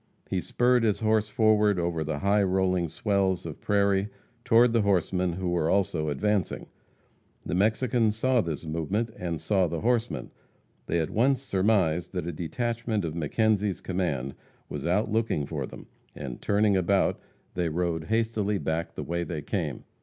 He spurred his horse forward over the high rolling swells of prairie toward the horsemen, who were also advancing. The Mexicans saw this movement, and saw the horsemen. They at once surmised that a detachment of McKenzie's command was out looking for them, and turning about, they rode hastily back the way they came.